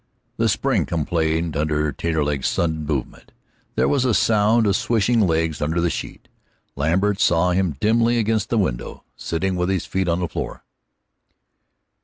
The spring complained under Taterleg's sudden movement; there was a sound of swishing legs under the sheet. Lambert saw him dimly against the window, sitting with his feet on the floor.